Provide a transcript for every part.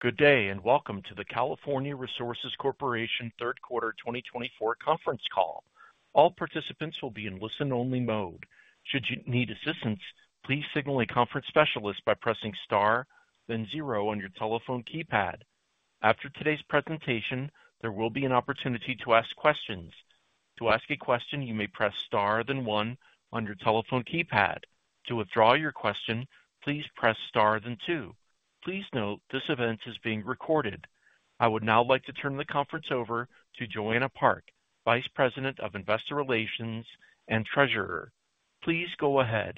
Good day and welcome to the California Resources Corporation third quarter 2024 conference call. All participants will be in listen-only mode. Should you need assistance, please signal a conference specialist by pressing star, then zero on your telephone keypad. After today's presentation, there will be an opportunity to ask questions. To ask a question, you may press star, then one on your telephone keypad. To withdraw your question, please press star, then two. Please note this event is being recorded. I would now like to turn the conference over to Joanna Park, Vice President of Investor Relations and Treasurer. Please go ahead.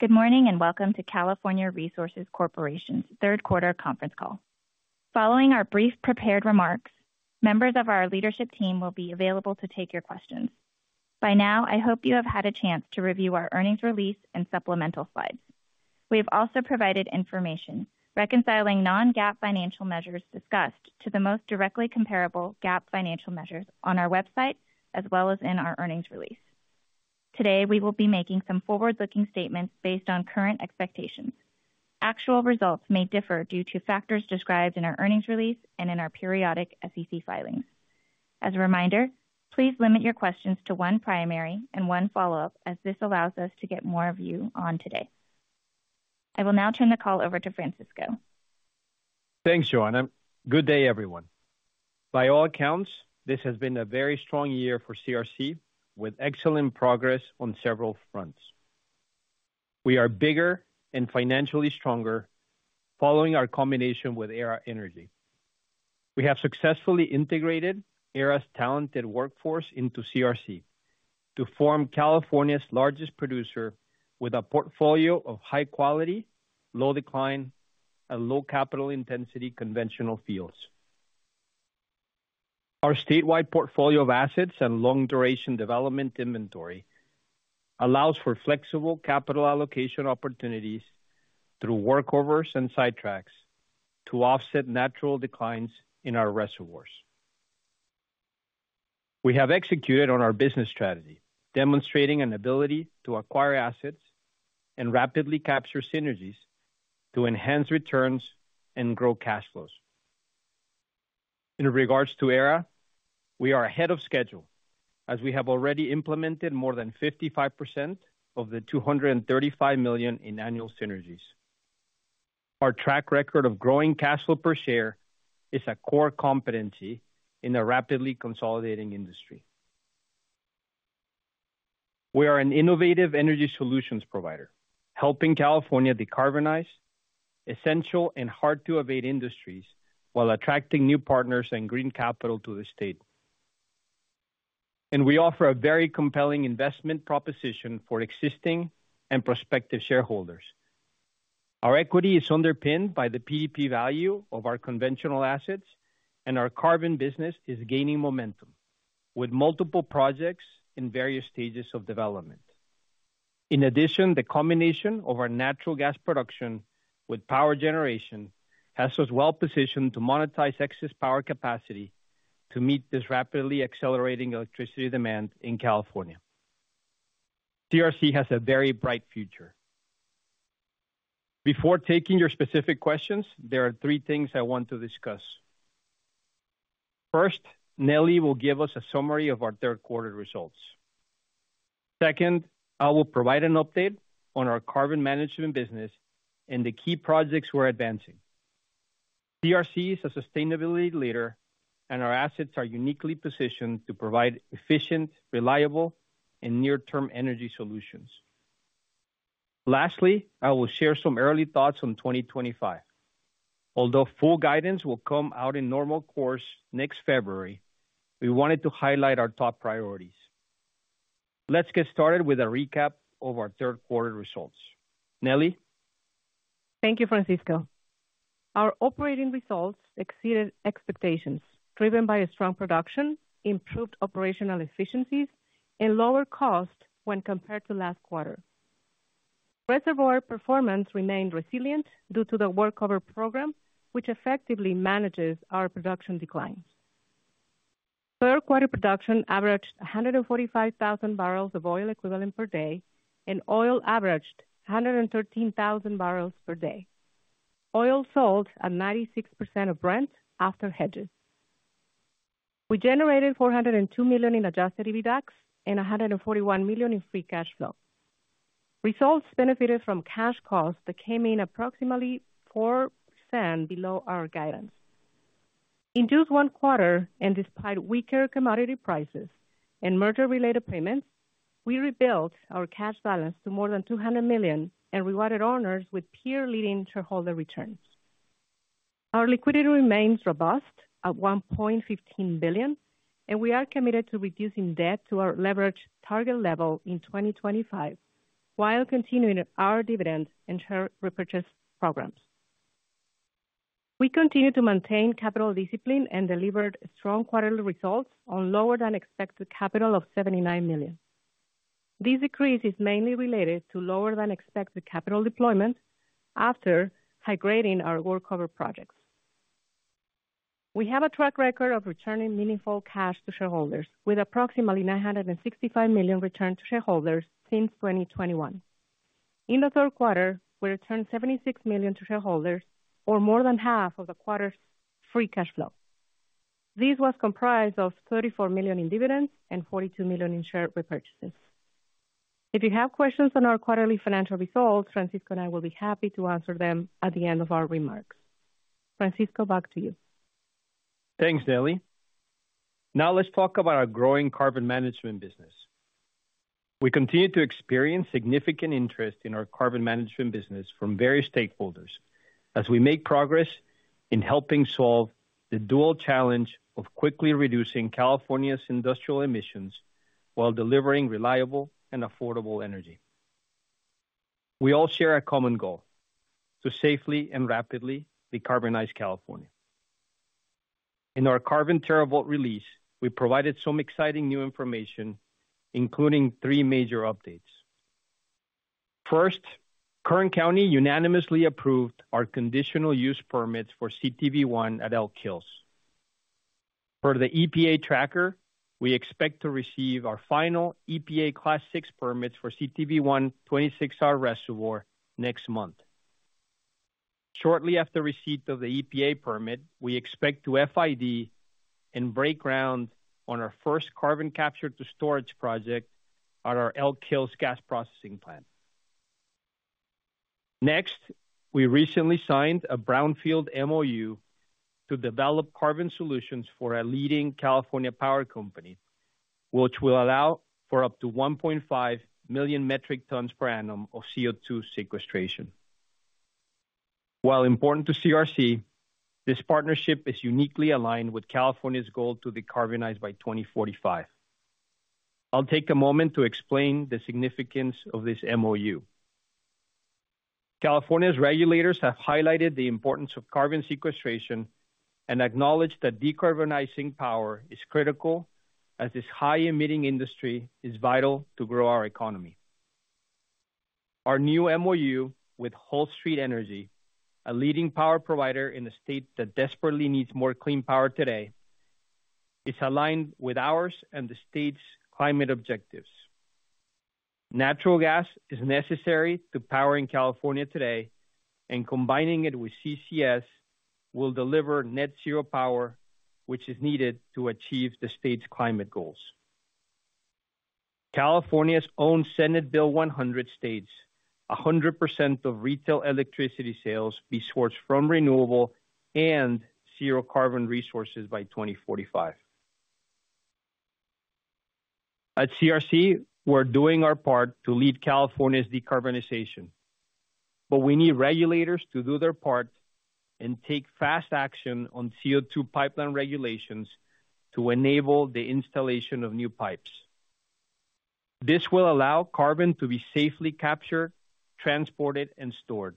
Good morning and welcome to California Resources Corporation's third quarter conference call. Following our brief prepared remarks, members of our leadership team will be available to take your questions. By now, I hope you have had a chance to review our earnings release and supplemental slides. We have also provided information reconciling non-GAAP financial measures discussed to the most directly comparable GAAP financial measures on our website as well as in our earnings release. Today, we will be making some forward-looking statements based on current expectations. Actual results may differ due to factors described in our earnings release and in our periodic SEC filings. As a reminder, please limit your questions to one primary and one follow-up, as this allows us to get more of you on today. I will now turn the call over to Francisco. Thanks, Joanna. Good day, everyone. By all accounts, this has been a very strong year for CRC, with excellent progress on several fronts. We are bigger and financially stronger following our combination with Aera Energy. We have successfully integrated Aera's talented workforce into CRC to form California's largest producer with a portfolio of high-quality, low-decline, and low-capital-intensity conventional fields. Our statewide portfolio of assets and long-duration development inventory allows for flexible capital allocation opportunities through workovers and sidetracks to offset natural declines in our reservoirs. We have executed on our business strategy, demonstrating an ability to acquire assets and rapidly capture synergies to enhance returns and grow cash flows. In regards to Aera, we are ahead of schedule, as we have already implemented more than 55% of the $235 million in annual synergies. Our track record of growing cash flow per share is a core competency in a rapidly consolidating industry. We are an innovative energy solutions provider, helping California decarbonize essential and hard-to-abate industries while attracting new partners and green capital to the state. And we offer a very compelling investment proposition for existing and prospective shareholders. Our equity is underpinned by the PV value of our conventional assets, and our carbon business is gaining momentum with multiple projects in various stages of development. In addition, the combination of our natural gas production with power generation has us well-positioned to monetize excess power capacity to meet this rapidly accelerating electricity demand in California. CRC has a very bright future. Before taking your specific questions, there are three things I want to discuss. First, Nelly will give us a summary of our third-quarter results. Second, I will provide an update on our carbon management business and the key projects we're advancing. CRC is a sustainability leader, and our assets are uniquely positioned to provide efficient, reliable, and near-term energy solutions. Lastly, I will share some early thoughts on 2025. Although full guidance will come out in normal course next February, we wanted to highlight our top priorities. Let's get started with a recap of our third-quarter results. Nelly. Thank you, Francisco. Our operating results exceeded expectations, driven by strong production, improved operational efficiencies, and lower costs when compared to last quarter. Reservoir performance remained resilient due to the workover program, which effectively manages our production declines. Third-quarter production averaged 145,000 bbl of oil equivalent per day, and oil averaged 113,000 bbl per day. Oil sold at 96% of Brent after hedges. We generated $402 million in Adjusted EBITDAX and $141 million in free cash flow. Results benefited from cash costs that came in approximately 4% below our guidance. In just one quarter, and despite weaker commodity prices and merger-related payments, we rebuilt our cash balance to more than $200 million and rewarded owners with peer-leading shareholder returns. Our liquidity remains robust at $1.15 billion, and we are committed to reducing debt to our leverage target level in 2025 while continuing our dividend and share repurchase programs. We continue to maintain capital discipline and delivered strong quarterly results on lower-than-expected capital of $79 million. This decrease is mainly related to lower-than-expected capital deployment after high-grading our workover projects. We have a track record of returning meaningful cash to shareholders, with approximately $965 million returned to shareholders since 2021. In the third quarter, we returned $76 million to shareholders, or more than half of the quarter's free cash flow. This was comprised of $34 million in dividends and $42 million in share repurchases. If you have questions on our quarterly financial results, Francisco and I will be happy to answer them at the end of our remarks. Francisco, back to you. Thanks, Nelly. Now, let's talk about our growing carbon management business. We continue to experience significant interest in our carbon management business from various stakeholders as we make progress in helping solve the dual challenge of quickly reducing California's industrial emissions while delivering reliable and affordable energy. We all share a common goal: to safely and rapidly decarbonize California. In our Carbon TerraVault release, we provided some exciting new information, including three major updates. First, Kern County unanimously approved our conditional use permits for CTV I at Elk Hills. Per the EPA tracker, we expect to receive our final EPA Class VI permits for CTV I 26R reservoir next month. Shortly after receipt of the EPA permit, we expect to FID and break ground on our first carbon capture and storage project at our Elk Hills Gas Processing Plant. Next, we recently signed a brownfield MOU to develop carbon solutions for a leading California power company, which will allow for up to 1.5 million metric tons per annum of CO2 sequestration. While important to CRC, this partnership is uniquely aligned with California's goal to decarbonize by 2045. I'll take a moment to explain the significance of this MOU. California's regulators have highlighted the importance of carbon sequestration and acknowledged that decarbonizing power is critical, as this high-emitting industry is vital to grow our economy. Our new MOU with Hull Street Energy, a leading power provider in the state that desperately needs more clean power today, is aligned with ours and the state's climate objectives. Natural gas is necessary to powering California today and combining it with CCS will deliver net-zero power, which is needed to achieve the state's climate goals. California's own Senate Bill 100 states 100% of retail electricity sales be sourced from renewable and zero-carbon resources by 2045. At CRC, we're doing our part to lead California's decarbonization, but we need regulators to do their part and take fast action on CO2 pipeline regulations to enable the installation of new pipes. This will allow carbon to be safely captured, transported, and stored.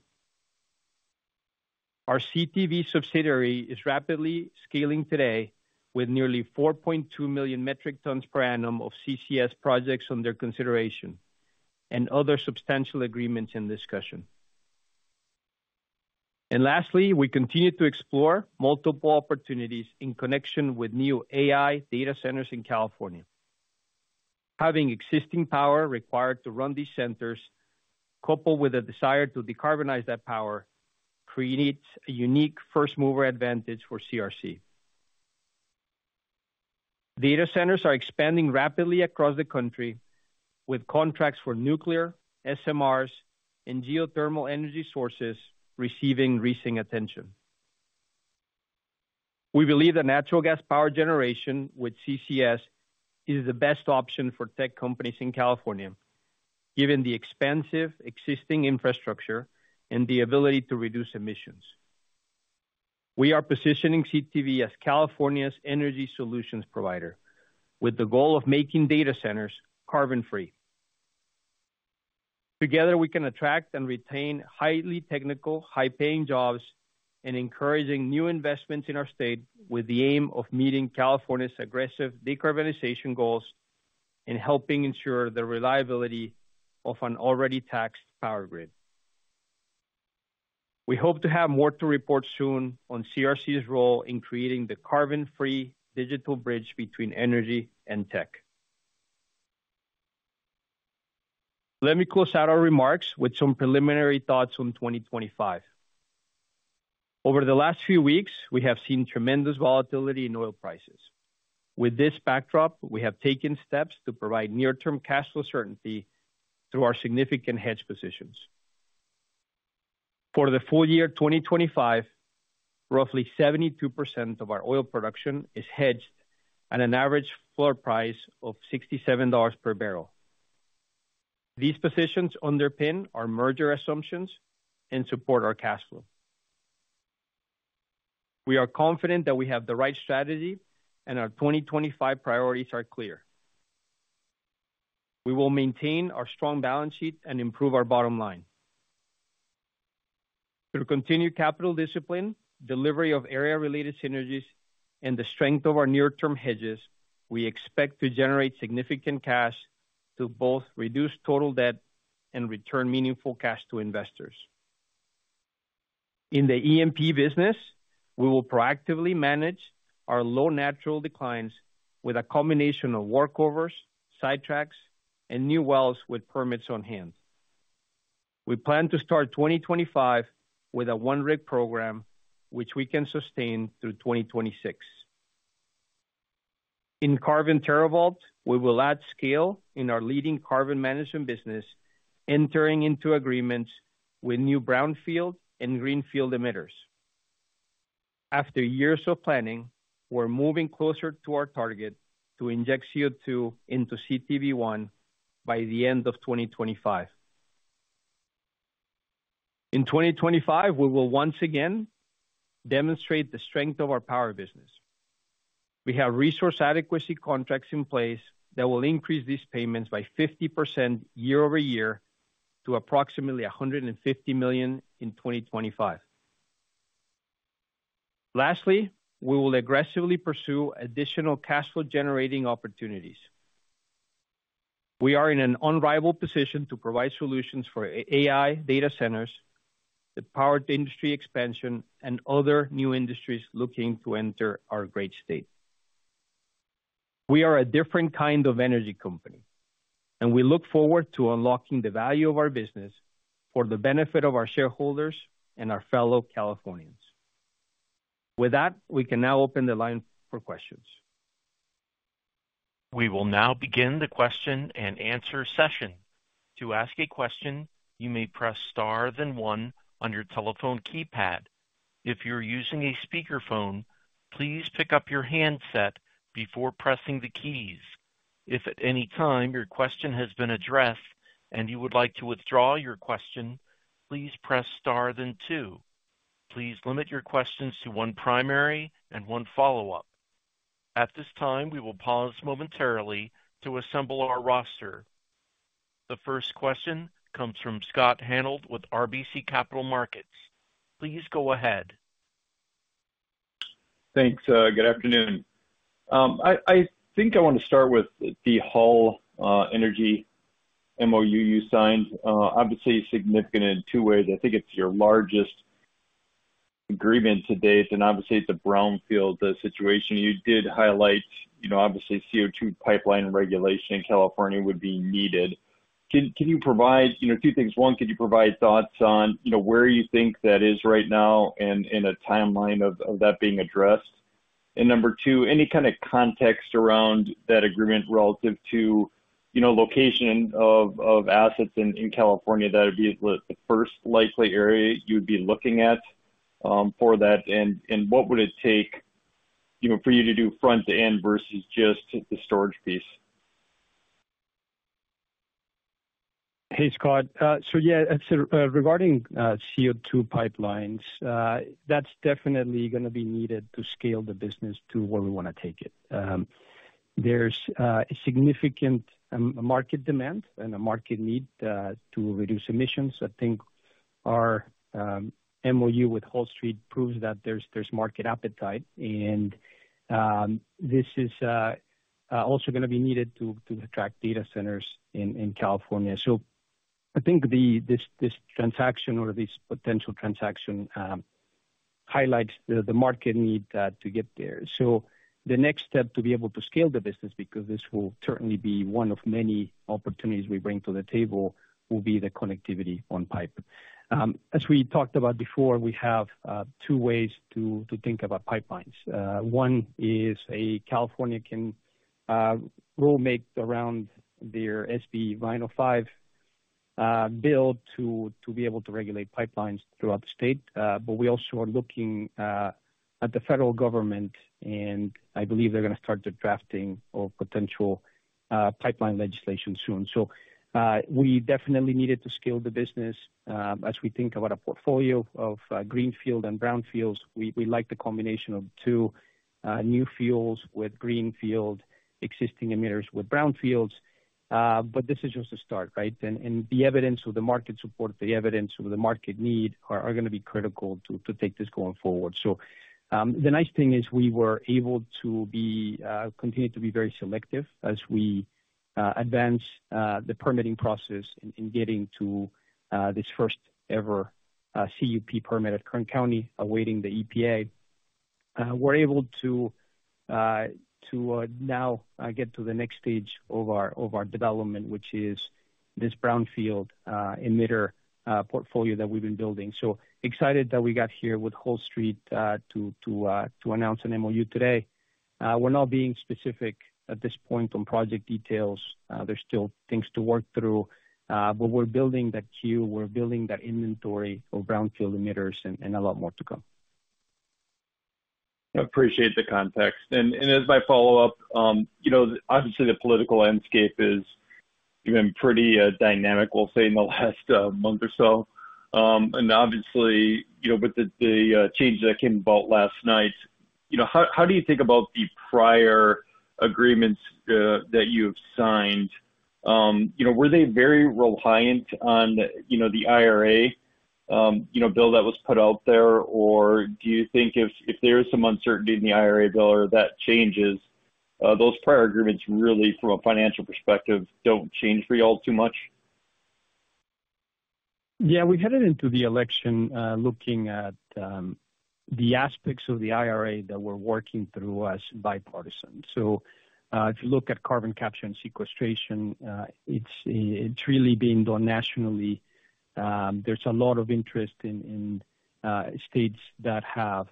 Our CTV subsidiary is rapidly scaling today with nearly 4.2 million metric tons per annum of CCS projects under consideration and other substantial agreements in discussion. And lastly, we continue to explore multiple opportunities in connection with new AI data centers in California. Having existing power required to run these centers, coupled with a desire to decarbonize that power, creates a unique first-mover advantage for CRC. Data centers are expanding rapidly across the country, with contracts for nuclear, SMRs, and geothermal energy sources receiving recent attention. We believe that natural gas power generation with CCS is the best option for tech companies in California, given the expansive existing infrastructure and the ability to reduce emissions. We are positioning CTV as California's energy solutions provider, with the goal of making data centers carbon-free. Together, we can attract and retain highly technical, high-paying jobs and encourage new investments in our state with the aim of meeting California's aggressive decarbonization goals and helping ensure the reliability of an already taxed power grid. We hope to have more to report soon on CRC's role in creating the carbon-free digital bridge between energy and tech. Let me close out our remarks with some preliminary thoughts on 2025. Over the last few weeks, we have seen tremendous volatility in oil prices. With this backdrop, we have taken steps to provide near-term cash flow certainty through our significant hedge positions. For the full year 2025, roughly 72% of our oil production is hedged at an average floor price of $67 per barrel. These positions underpin our merger assumptions and support our cash flow. We are confident that we have the right strategy, and our 2025 priorities are clear. We will maintain our strong balance sheet and improve our bottom line. Through continued capital discipline, delivery of Aera-related synergies, and the strength of our near-term hedges, we expect to generate significant cash to both reduce total debt and return meaningful cash to investors. In the E&P business, we will proactively manage our low natural declines with a combination of workovers, sidetracks, and new wells with permits on hand. We plan to start 2025 with a one-rig program, which we can sustain through 2026. In Carbon TerraVault, we will add scale in our leading carbon management business, entering into agreements with new brownfield and greenfield emitters. After years of planning, we're moving closer to our target to inject CO2 into CTV I by the end of 2025. In 2025, we will once again demonstrate the strength of our power business. We have Resource Adequacy contracts in place that will increase these payments by 50% year-over-year to approximately $150 million in 2025. Lastly, we will aggressively pursue additional cash flow-generating opportunities. We are in an unrivaled position to provide solutions for AI data centers that power industry expansion and other new industries looking to enter our great state. We are a different kind of energy company, and we look forward to unlocking the value of our business for the benefit of our shareholders and our fellow Californians. With that, we can now open the line for questions. We will now begin the question-and-answer session. To ask a question, you may press star then one on your telephone keypad. If you're using a speakerphone, please pick up your handset before pressing the keys. If at any time your question has been addressed and you would like to withdraw your question, please press star then two. Please limit your questions to one primary and one follow-up. At this time, we will pause momentarily to assemble our roster. The first question comes from Scott Hanold with RBC Capital Markets. Please go ahead. Thanks. Good afternoon. I think I want to start with the Hull Energy MOU you signed. Obviously, it's significant in two ways. I think it's your largest agreement to date, and obviously, it's a brownfield situation. You did highlight, obviously, CO2 pipeline regulation in California would be needed. Can you provide two things? One, could you provide thoughts on where you think that is right now and a timeline of that being addressed? And number two, any kind of context around that agreement relative to location of assets in California that would be the first likely area you'd be looking at for that? And what would it take for you to do front-to-end versus just the storage piece? Hey, Scott. So yeah, regarding CO2 pipelines, that's definitely going to be needed to scale the business to where we want to take it. There's significant market demand and a market need to reduce emissions. I think our MOU with Hull Street proves that there's market appetite, and this is also going to be needed to attract data centers in California. So I think this transaction or this potential transaction highlights the market need to get there. So the next step to be able to scale the business, because this will certainly be one of many opportunities we bring to the table, will be the connectivity on pipe. As we talked about before, we have two ways to think about pipelines. One is a California rulemaking around their SB 905 bill to be able to regulate pipelines throughout the state. But we also are looking at the federal government, and I believe they're going to start the drafting of potential pipeline legislation soon. So we definitely needed to scale the business. As we think about a portfolio of greenfield and brownfields, we like the combination of two new fuels with greenfield existing emitters with brownfields. But this is just a start, right? And the evidence of the market support, the evidence of the market need are going to be critical to take this going forward. So the nice thing is we were able to continue to be very selective as we advance the permitting process in getting to this first-ever CUP permitted Kern County, awaiting the EPA. We're able to now get to the next stage of our development, which is this brownfield emitter portfolio that we've been building. So excited that we got here with Hull Street to announce an MOU today. We're not being specific at this point on project details. There's still things to work through, but we're building that queue. We're building that inventory of brownfield emitters and a lot more to come. I appreciate the context. As my follow-up, obviously, the political landscape has been pretty dynamic, we'll say, in the last month or so. Obviously, with the change that came about last night, how do you think about the prior agreements that you've signed? Were they very reliant on the IRA that was put out there? Or do you think if there is some uncertainty in the IRA bill or that changes, those prior agreements really, from a financial perspective, don't change for y'all too much? Yeah, we headed into the election looking at the aspects of the IRA that were working through as bipartisan. So if you look at carbon capture and sequestration, it's really being done nationally. There's a lot of interest in states that have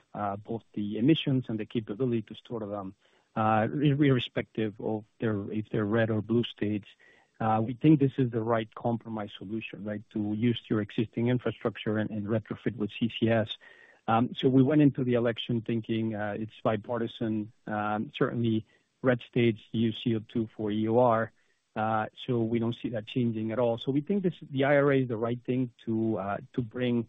both the emissions and the capability to store them irrespective of if they're red or blue states. We think this is the right compromise solution, right, to use your existing infrastructure and retrofit with CCS. So we went into the election thinking it's bipartisan. Certainly, red states use CO2 for EOR. So we don't see that changing at all. So we think the IRA is the right thing to bring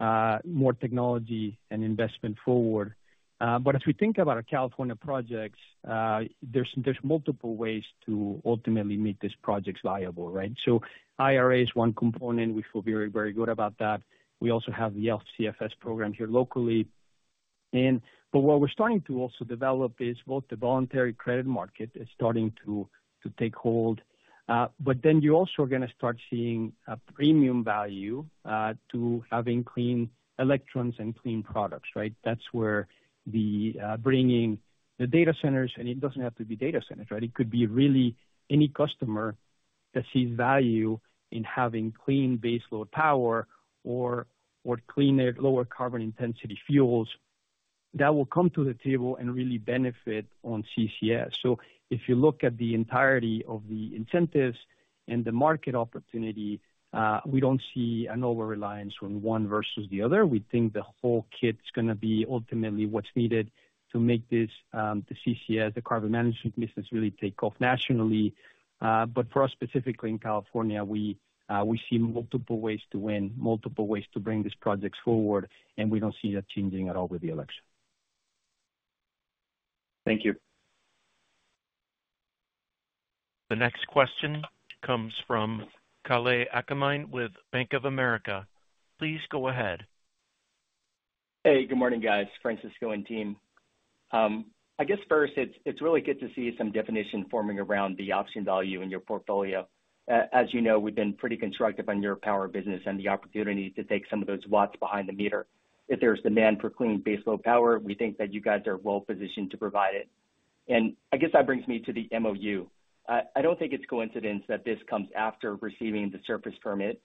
more technology and investment forward. But as we think about our California projects, there's multiple ways to ultimately make these projects viable, right? So IRA is one component. We feel very, very good about that. We also have the LCFS program here locally. But what we're starting to also develop is both the voluntary credit market is starting to take hold. But then you're also going to start seeing a premium value to having clean electrons and clean products, right? That's where the bringing the data centers, and it doesn't have to be data centers, right? It could be really any customer that sees value in having clean baseload power or cleaner lower carbon intensity fuels that will come to the table and really benefit on CCS. So if you look at the entirety of the incentives and the market opportunity, we don't see an over-reliance on one versus the other. We think the whole kit is going to be ultimately what's needed to make the CCS, the carbon management business, really take off nationally. But for us, specifically in California, we see multiple ways to win, multiple ways to bring these projects forward, and we don't see that changing at all with the election. Thank you. The next question comes from Kalei Akamine with Bank of America. Please go ahead. Hey, good morning, guys, Francisco and team. I guess first, it's really good to see some definition forming around the option value in your portfolio. As you know, we've been pretty constructive on your power business and the opportunity to take some of those watts behind the meter. If there's demand for clean baseload power, we think that you guys are well-positioned to provide it. And I guess that brings me to the MOU. I don't think it's a coincidence that this comes after receiving the surface permit.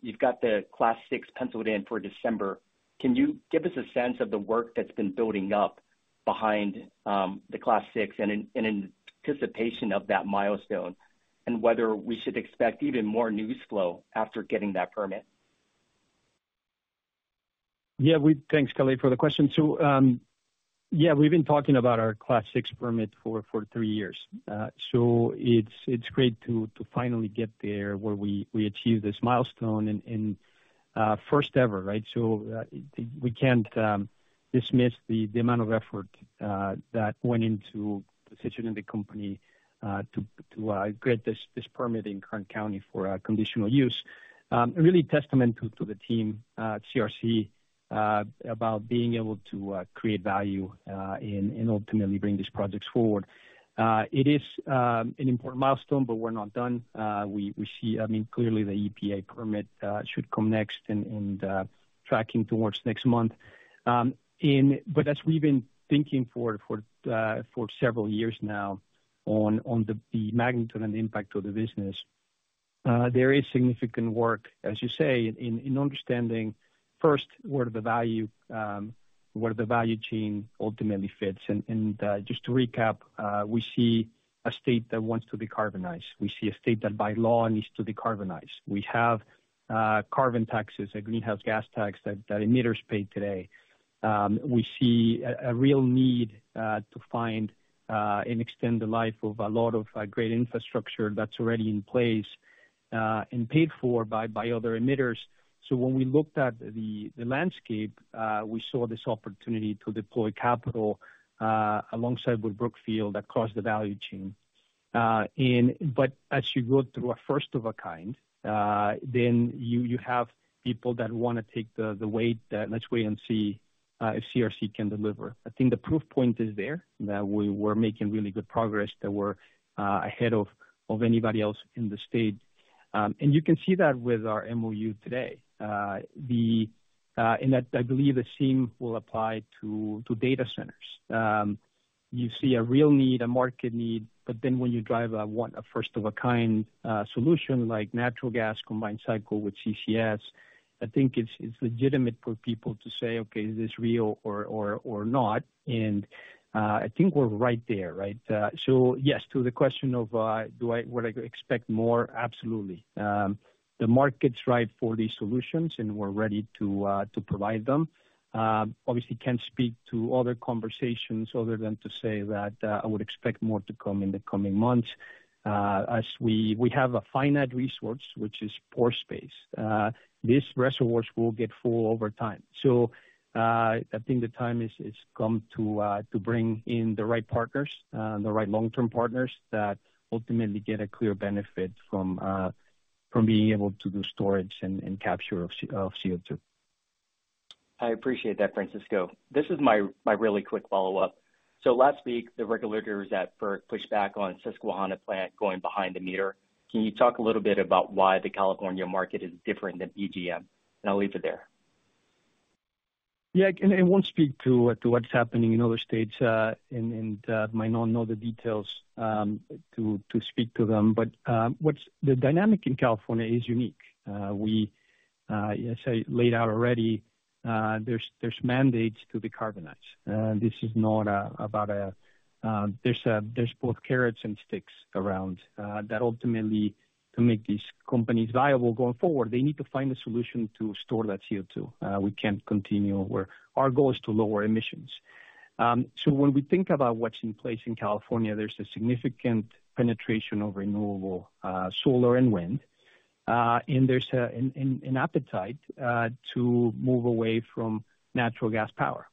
You've got the Class VI penciled in for December. Can you give us a sense of the work that's been building up behind the Class VI and in anticipation of that milestone and whether we should expect even more news flow after getting that permit? Yeah, thanks, Kalei, for the question. So yeah, we've been talking about our Class VI permit for three years. So it's great to finally get there where we achieve this milestone and first ever, right? So we can't dismiss the amount of effort that went into positioning the company to get this permit in Kern County for conditional use. Really testament to the team, CRC, about being able to create value and ultimately bring these projects forward. It is an important milestone, but we're not done. We see, I mean, clearly the EPA permit should come next and tracking towards next month. But as we've been thinking for several years now on the magnitude and the impact of the business, there is significant work, as you say, in understanding first where the value chain ultimately fits. And just to recap, we see a state that wants to decarbonize. We see a state that by law needs to decarbonize. We have carbon taxes, a greenhouse gas tax that emitters pay today. We see a real need to find and extend the life of a lot of great infrastructure that's already in place and paid for by other emitters. So when we looked at the landscape, we saw this opportunity to deploy capital alongside with Brookfield that crossed the value chain. But as you go through a first-of-a-kind, then you have people that want to take a wait and let's wait and see if CRC can deliver. I think the proof point is there that we're making really good progress, that we're ahead of anybody else in the state. And you can see that with our MOU today. And I believe the same will apply to data centers. You see a real need, a market need, but then when you drive a first-of-its-kind solution like natural gas combined cycle with CCS, I think it's legitimate for people to say, "Okay, is this real or not?" And I think we're right there, right? So yes, to the question of would I expect more? Absolutely. The market's ripe for these solutions, and we're ready to provide them. Obviously, can't speak to other conversations other than to say that I would expect more to come in the coming months. As we have a finite resource, which is pore space, these reservoirs will get full over time. So I think the time has come to bring in the right partners, the right long-term partners that ultimately get a clear benefit from being able to do storage and capture of CO2. I appreciate that, Francisco. This is my really quick follow-up. So last week, the regulator was at FERC for pushback on Susquehanna plant going behind the meter. Can you talk a little bit about why the California market is different than PJM? And I'll leave it there. Yeah, and I won't speak to what's happening in other states and might not know the details to speak to them. But the dynamic in California is unique. As I laid out already, there's mandates to decarbonize. This is not about. There's both carrots and sticks around that ultimately to make these companies viable going forward, they need to find a solution to store that CO2. We can't continue where our goal is to lower emissions. So when we think about what's in place in California, there's a significant penetration of renewable solar and wind, and there's an appetite to move away from natural gas power.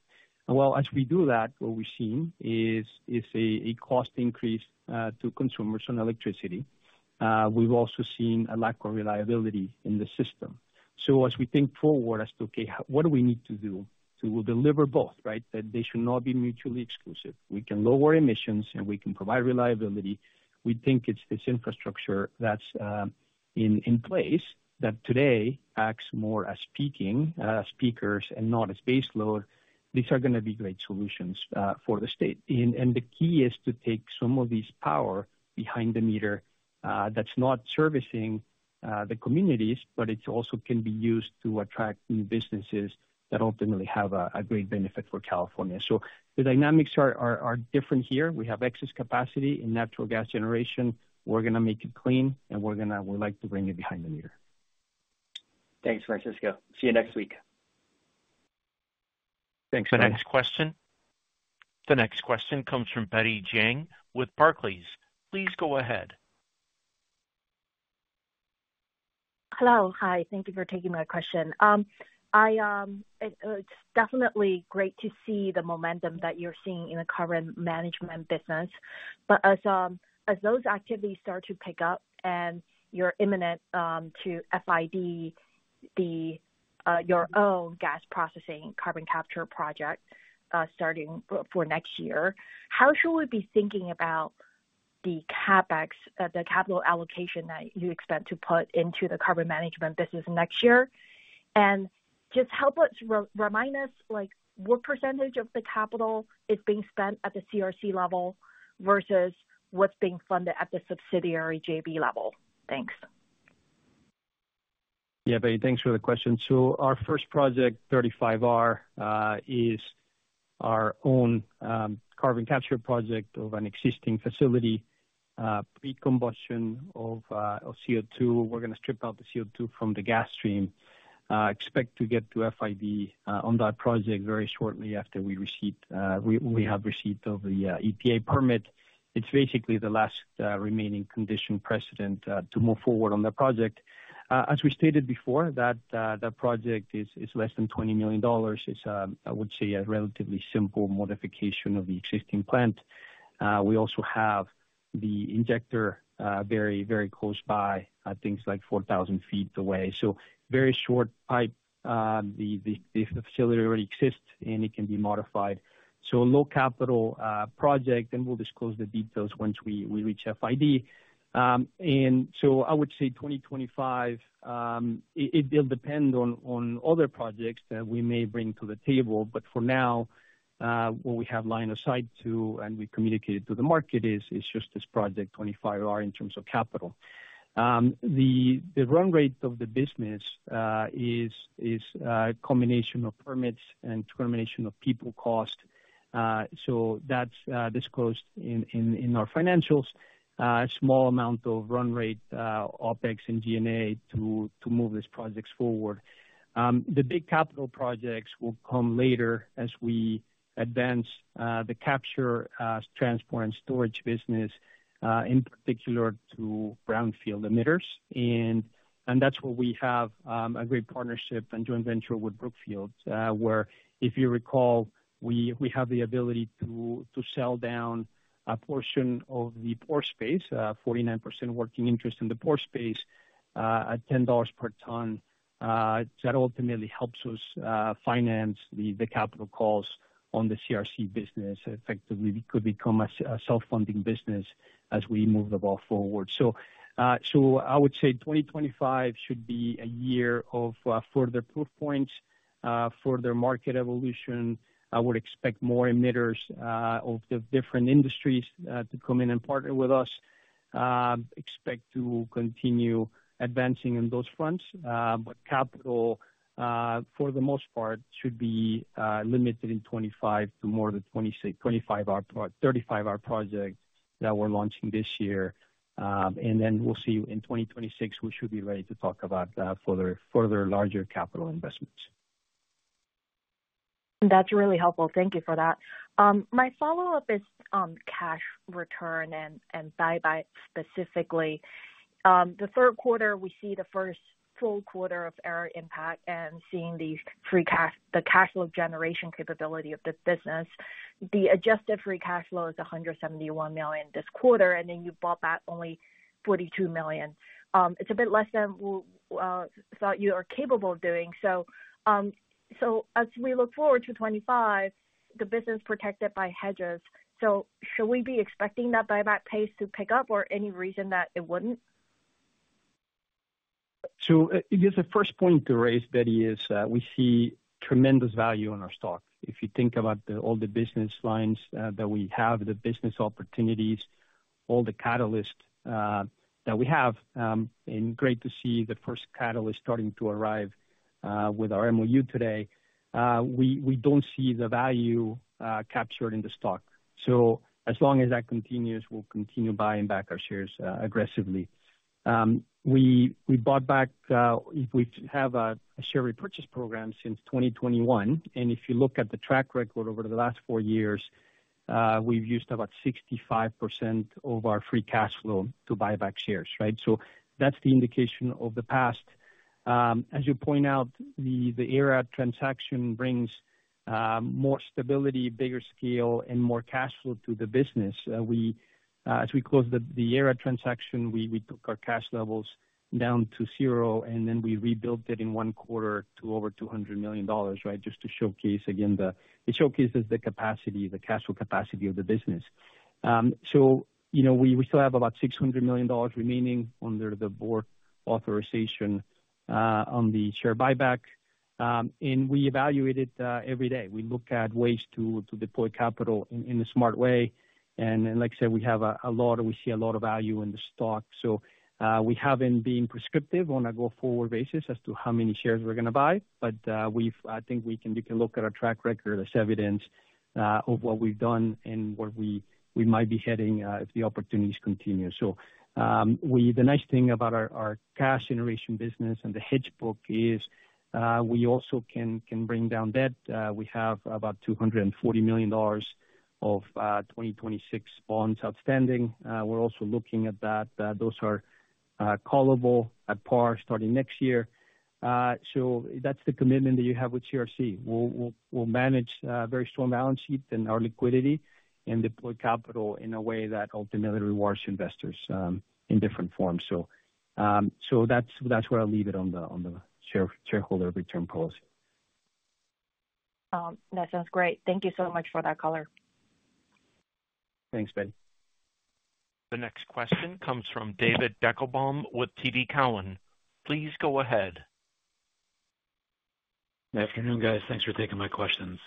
Well, as we do that, what we've seen is a cost increase to consumers on electricity. We've also seen a lack of reliability in the system. So as we think forward as to, okay, what do we need to do to deliver both, right? They should not be mutually exclusive. We can lower emissions, and we can provide reliability. We think it's this infrastructure that's in place that today acts more as peaking, as peakers and not as baseload. These are going to be great solutions for the state. And the key is to take some of this power behind the meter that's not servicing the communities, but it also can be used to attract new businesses that ultimately have a great benefit for California. So the dynamics are different here. We have excess capacity in natural gas generation. We're going to make it clean, and we'd like to bring it behind the meter. Thanks, Francisco. See you next week. Thanks for that. The next question comes from Betty Jiang with Barclays. Please go ahead. Hello. Hi. Thank you for taking my question. It's definitely great to see the momentum that you're seeing in the carbon management business. But as those activities start to pick up and you're imminent to FID your own gas processing carbon capture project starting for next year, how should we be thinking about the capital allocation that you expect to put into the carbon management business next year? And just help us remind us what percentage of the capital is being spent at the CRC level versus what's being funded at the subsidiary JV level. Thanks. Yeah, thanks for the question. So our first project, 35R, is our own carbon capture project of an existing facility. Pre-combustion of CO2, we're going to strip out the CO2 from the gas stream. Expect to get to FID on that project very shortly after we have received the EPA permit. It's basically the last remaining condition precedent to move forward on the project. As we stated before, that project is less than $20 million. It's, I would say, a relatively simple modification of the existing plant. We also have the injector very, very close by, things like 4,000 feet away. So very short pipe. The facility already exists, and it can be modified. So a low-capital project, and we'll disclose the details once we reach FID. And so I would say 2025, it'll depend on other projects that we may bring to the table. But for now, what we have line of sight to and we communicated to the market is just this project, 35R, in terms of capital. The run rate of the business is a combination of permits and a combination of people cost. So that's disclosed in our financials. A small amount of run rate, OpEx and G&A to move these projects forward. The big capital projects will come later as we advance the capture, transport, and storage business, in particular to brownfield emitters. And that's where we have a great partnership and joint venture with Brookfield, where if you recall, we have the ability to sell down a portion of the pore space, 49% working interest in the pore space at $10 per ton. That ultimately helps us finance the capital costs on the CRC business. Effectively, we could become a self-funding business as we move the ball forward. So I would say 2025 should be a year of further proof points, further market evolution. I would expect more emitters of the different industries to come in and partner with us. Expect to continue advancing on those fronts. But capital, for the most part, should be limited in 2025 to more than 35R projects that we're launching this year. And then we'll see you in 2026. We should be ready to talk about further larger capital investments. That's really helpful. Thank you for that. My follow-up is cash return and buyback specifically. The third quarter, we see the first full quarter of Aera impact and seeing the cash flow generation capability of the business. The adjusted free cash flow is $171 million this quarter, and then you bought back only $42 million. It's a bit less than we thought you were capable of doing. So as we look forward to 2025, the business protected by hedges. So should we be expecting that buyback pace to pick up or any reason that it wouldn't? So the first point to raise, Betty, is we see tremendous value in our stock. If you think about all the business lines that we have, the business opportunities, all the catalysts that we have, and great to see the first catalyst starting to arrive with our MOU today. We don't see the value captured in the stock. So as long as that continues, we'll continue buying back our shares aggressively. We bought back, we have a share repurchase program since 2021. And if you look at the track record over the last four years, we've used about 65% of our free cash flow to buy back shares, right? So that's the indication of the past. As you point out, the Aera transaction brings more stability, bigger scale, and more cash flow to the business. As we closed the Aera transaction, we took our cash levels down to zero, and then we rebuilt it in one quarter to over $200 million, right, just to showcase again, it showcases the capacity, the cash flow capacity of the business, so we still have about $600 million remaining under the board authorization on the share buyback. We evaluate it every day. We look at ways to deploy capital in a smart way, and like I said, we have a lot of, we see a lot of value in the stock, so we haven't been prescriptive on a go-forward basis as to how many shares we're going to buy. I think you can look at our track record as evidence of what we've done and where we might be heading if the opportunities continue. So the nice thing about our cash generation business and the hedge book is we also can bring down debt. We have about $240 million of 2026 bonds outstanding. We're also looking at that. Those are callable at par starting next year. So that's the commitment that you have with CRC. We'll manage very strong balance sheet and our liquidity and deploy capital in a way that ultimately rewards investors in different forms. So that's where I'll leave it on the shareholder return policy. That sounds great. Thank you so much for that color. Thanks, Betty. The next question comes from David Deckelbaum with TD Cowen. Please go ahead. Good afternoon, guys. Thanks for taking my questions.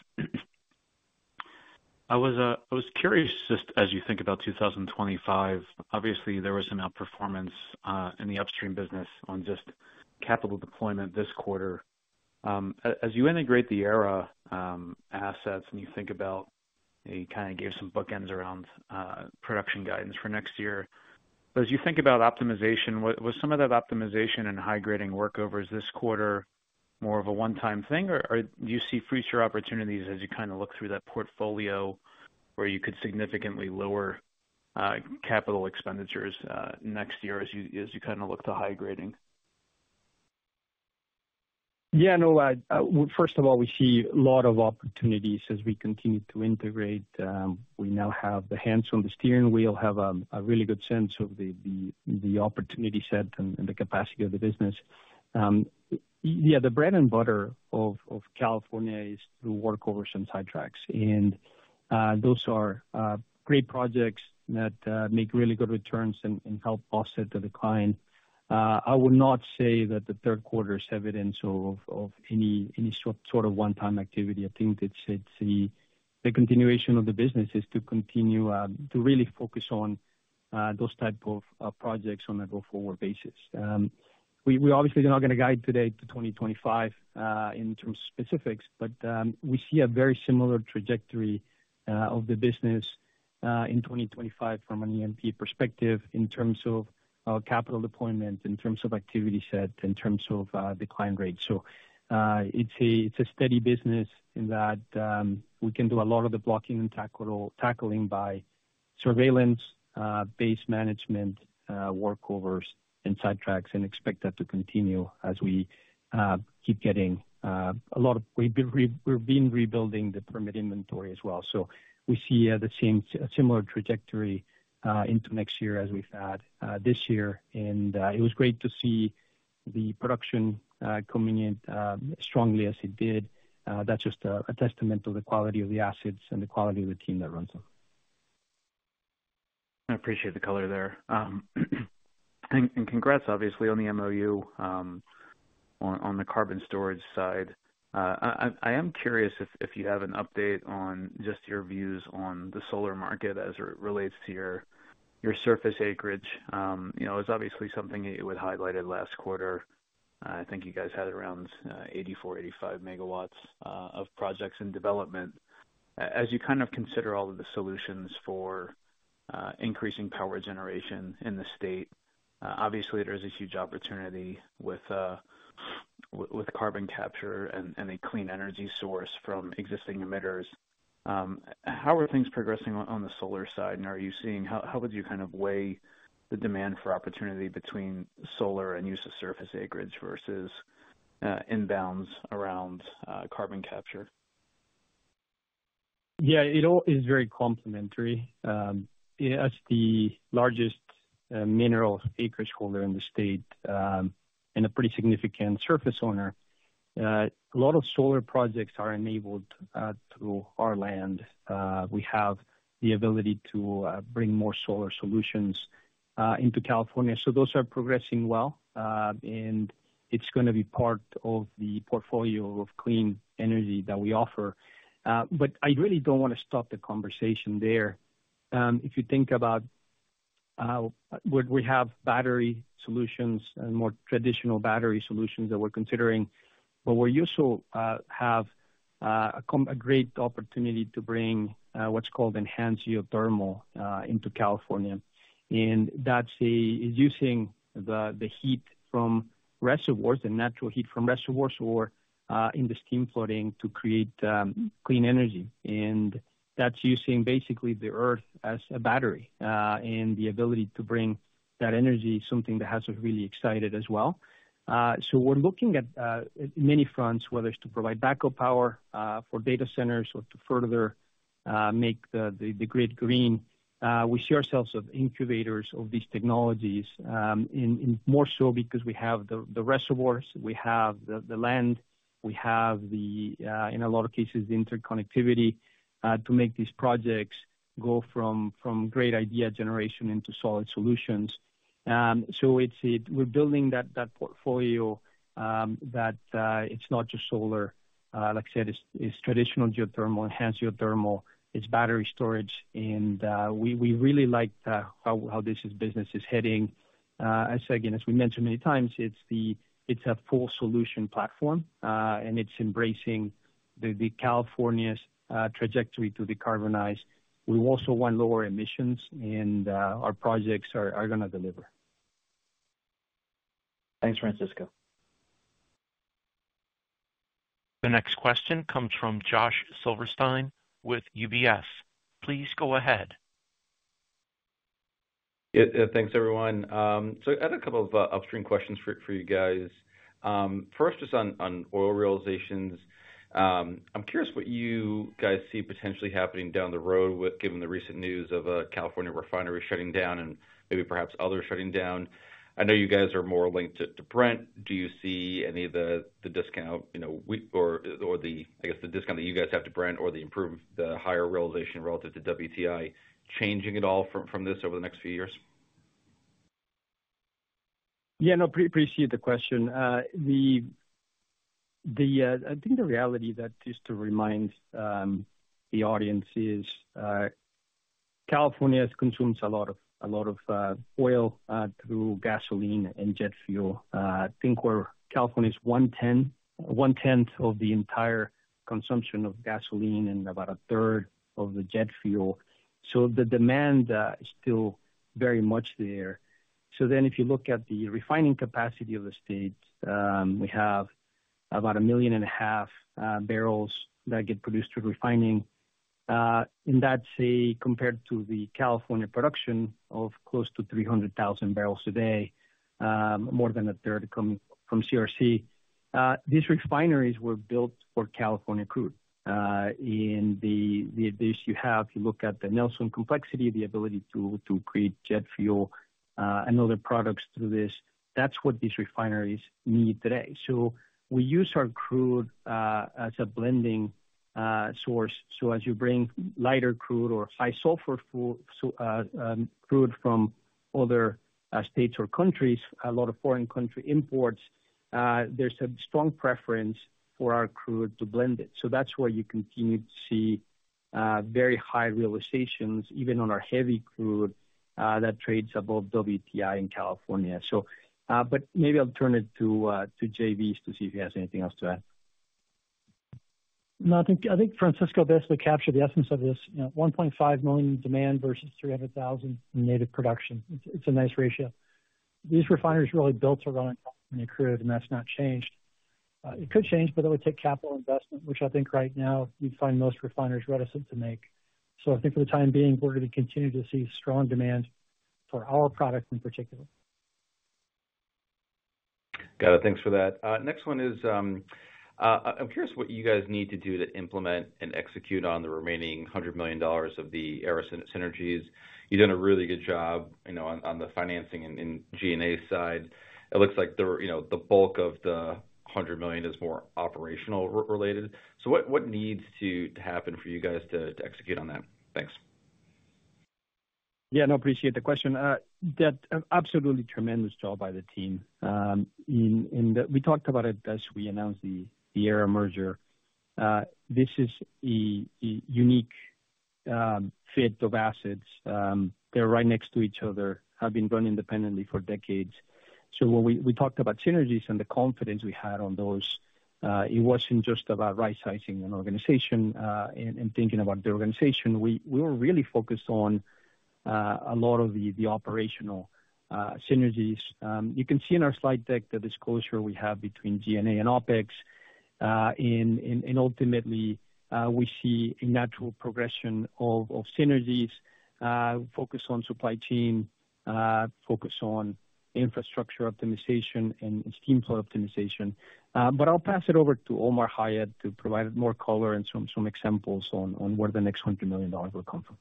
I was curious, just as you think about 2025, obviously, there was some outperformance in the upstream business on just capital deployment this quarter. As you integrate the Aera assets and you think about, you kind of gave some bookends around production guidance for next year. But as you think about optimization, was some of that optimization and high-grading workovers this quarter more of a one-time thing, or do you see future opportunities as you kind of look through that portfolio where you could significantly lower capital expenditures next year as you kind of look to high-grading? Yeah, no, first of all, we see a lot of opportunities as we continue to integrate. We now have our hands on the steering wheel and have a really good sense of the opportunity set and the capacity of the business. Yeah, the bread and butter of California is through workovers and sidetracks, and those are great projects that make really good returns and help us offset the decline. I will not say that the third quarter is evidence of any sort of one-time activity. I think the continuation of the business is to continue to really focus on those types of projects on a go-forward basis. We obviously are not going to guide today to 2025 in terms of specifics, but we see a very similar trajectory of the business in 2025 from an E&P perspective in terms of capital deployment, in terms of activity set, in terms of the client rate. So it's a steady business in that we can do a lot of the blocking and tackling by surveillance-based management workovers and sidetracks and expect that to continue as we keep getting a lot. We've been rebuilding the permit inventory as well. So we see the same similar trajectory into next year as we've had this year, and it was great to see the production coming in strongly as it did. That's just a testament to the quality of the assets and the quality of the team that runs them. I appreciate the color there, and congrats, obviously, on the MOU on the carbon storage side. I am curious if you have an update on just your views on the solar market as it relates to your surface acreage. It was obviously something you had highlighted last quarter. I think you guys had around 84 MW-85 MW of projects in development. As you kind of consider all of the solutions for increasing power generation in the state, obviously, there's a huge opportunity with carbon capture and a clean energy source from existing emitters. How are things progressing on the solar side, and how would you kind of weigh the demand for opportunity between solar and use of surface acreage versus inbounds around carbon capture? Yeah, it all is very complementary. As the largest mineral acreage holder in the state and a pretty significant surface owner, a lot of solar projects are enabled through our land. We have the ability to bring more solar solutions into California. So those are progressing well, and it's going to be part of the portfolio of clean energy that we offer. But I really don't want to stop the conversation there. If you think about what we have, battery solutions and more traditional battery solutions that we're considering, but we also have a great opportunity to bring what's called enhanced geothermal into California. And that's using the heat from reservoirs, the natural heat from reservoirs or in the steam flooding to create clean energy. And that's using basically the earth as a battery and the ability to bring that energy, something that has us really excited as well. So we're looking at many fronts, whether it's to provide backup power for data centers or to further make the grid green. We see ourselves as incubators of these technologies more so because we have the reservoirs, we have the land, we have, in a lot of cases, the interconnectivity to make these projects go from great idea generation into solid solutions. So we're building that portfolio that it's not just solar. Like I said, it's traditional geothermal, enhanced geothermal. It's battery storage. And we really like how this business is heading. As again, as we mentioned many times, it's a full solution platform, and it's embracing California's trajectory to decarbonize. We also want lower emissions, and our projects are going to deliver. Thanks, Francisco. The next question comes from Josh Silverstein with UBS. Please go ahead. Thanks, everyone. So, I had a couple of upstream questions for you guys. First is on oil realizations. I'm curious what you guys see potentially happening down the road given the recent news of a California refinery shutting down and maybe perhaps others shutting down. I know you guys are more linked to Brent. Do you see any of the discount or the, I guess, the discount that you guys have to Brent or the improved, the higher realization relative to WTI changing at all from this over the next few years? Yeah, no, I appreciate the question. I think the reality that just to remind the audience is California consumes a lot of oil through gasoline and jet fuel. I think California is one-tenth of the entire consumption of gasoline and about a third of the jet fuel. So then if you look at the refining capacity of the state, we have about 1.5 million bbl that get produced through refining. And that's compared to the California production of close to 300,000 bbl a day, more than a third coming from CRC. These refineries were built for California crude. And the ideas you have, you look at the Nelson complexity, the ability to create jet fuel and other products through this. That's what these refineries need today. So we use our crude as a blending source. So as you bring lighter crude or high sulfur crude from other states or countries, a lot of foreign country imports, there's a strong preference for our crude to blend it. So that's where you continue to see very high realizations, even on our heavy crude that trades above WTI in California. But maybe I'll turn it to Jay Bys to see if he has anything else to add. No, I think Francisco best would capture the essence of this. 1.5 million in demand versus 300,000 in native production. It's a nice ratio. These refineries are really built to run on crude, and that's not changed. It could change, but it would take capital investment, which I think right now you'd find most refineries reticent to make. So I think for the time being, we're going to continue to see strong demand for our product in particular. Got it. Thanks for that. Next one is, I'm curious what you guys need to do to implement and execute on the remaining $100 million of the Aera synergies. You've done a really good job on the financing and G&A side. It looks like the bulk of the $100 million is more operational related. So what needs to happen for you guys to execute on that? Thanks. Yeah, no, I appreciate the question. Absolutely tremendous job by the team. And we talked about it as we announced the Aera merger. This is a unique fit of assets. They're right next to each other. Have been running independently for decades. So when we talked about synergies and the confidence we had on those, it wasn't just about right-sizing an organization and thinking about the organization. We were really focused on a lot of the operational synergies. You can see in our slide deck the disclosure we have between G&A and OpEx. And ultimately, we see a natural progression of synergies focused on supply chain, focused on infrastructure optimization, and steam flood optimization. But I'll pass it over to Omar Hayat to provide more color and some examples on where the next $100 million will come from.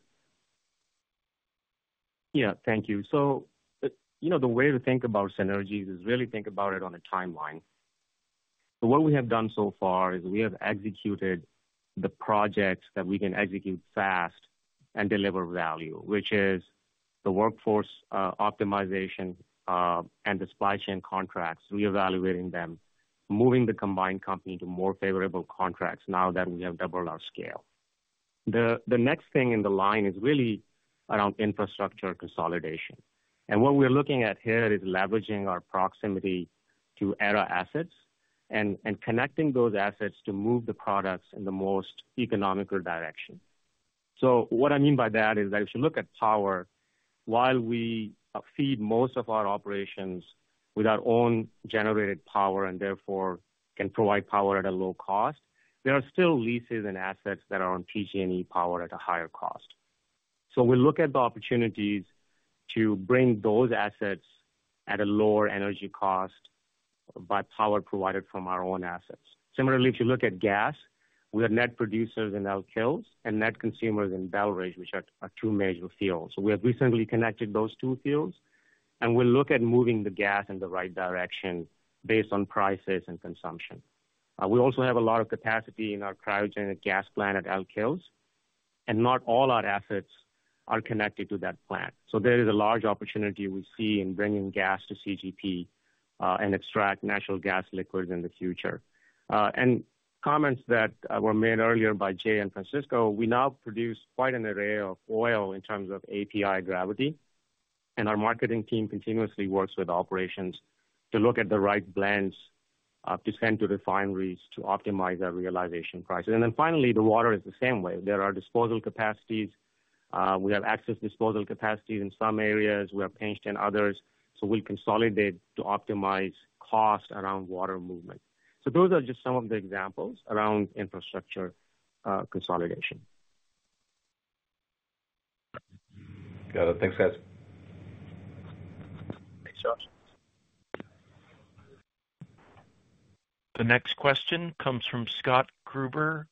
Yeah, thank you. So the way to think about synergies is really think about it on a timeline. So what we have done so far is we have executed the projects that we can execute fast and deliver value, which is the workforce optimization and the supply chain contracts, reevaluating them, moving the combined company to more favorable contracts now that we have doubled our scale. The next thing in the line is really around infrastructure consolidation. And what we're looking at here is leveraging our proximity to Aera assets and connecting those assets to move the products in the most economical direction. So what I mean by that is that if you look at power, while we feed most of our operations with our own generated power and therefore can provide power at a low cost, there are still leases and assets that are on PG&E power at a higher cost. So we look at the opportunities to bring those assets at a lower energy cost by power provided from our own assets. Similarly, if you look at gas, we are net producers in Elk Hills and net consumers in Belridge, which are two major fields. So we have recently connected those two fields, and we'll look at moving the gas in the right direction based on prices and consumption. We also have a lot of capacity in our cryogenic gas plant at Elk Hills, and not all our assets are connected to that plant. So there is a large opportunity we see in bringing gas to CGP and extract natural gas liquids in the future. And comments that were made earlier by Jay and Francisco, we now produce quite an array of oil in terms of API gravity. And our marketing team continuously works with operations to look at the right blends to send to refineries to optimize our realization prices. And then finally, the water is the same way. There are disposal capacities. We have access disposal capacities in some areas. We have pinched in others. So we'll consolidate to optimize cost around water movement. So those are just some of the examples around infrastructure consolidation. Got it. Thanks, guys. Thanks, Josh. The next question comes from Scott Gruber